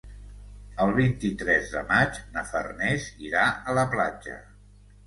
El vint-i-tres de maig na Farners irà a la platja.